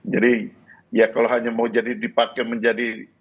jadi ya kalau hanya mau jadi dipakai menjadi